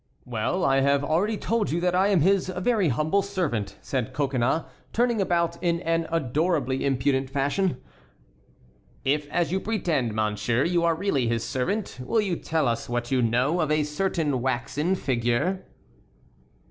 "Well, I have already told you that I am his very humble servant," said Coconnas, turning about in an adorably impudent fashion. "If as you pretend, monsieur, you are really his servant, will you tell us what you know of a certain waxen figure?"